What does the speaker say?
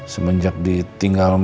semenjak ditinggal mami